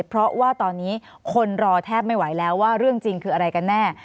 เพราะว่าตอนนี้คนรอแทบไม่ไหวแล้วว่าเรื่องจริงคืออะไรกันแน่